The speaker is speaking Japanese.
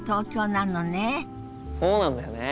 そうなんだよね。